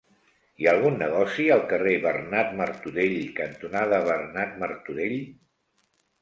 Hi ha algun negoci al carrer Bernat Martorell cantonada Bernat Martorell?